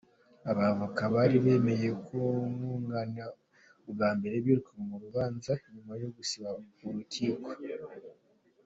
Abavoka bari bemeye kumwunganira ubwa mbere, birukanywe mu rubanza nyuma yo gusiba mu rukiko.